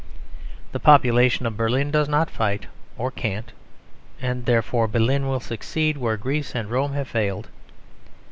The population of Berlin does not fight, or can't; and therefore Berlin will succeed where Greece and Rome have failed.